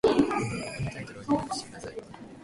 ここにタイトルを入力してください。